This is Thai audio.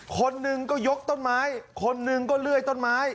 คนหนึ่งก็ยกต้นไม้คนหนึ่งก็เลื่อยต้นไม้